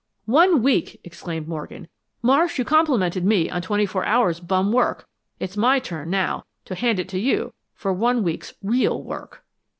"One week!" exclaimed Morgan. "Marsh, you complimented me once on twenty four hours bum work; It's my turn now, to hand it to you for one week's REAL work."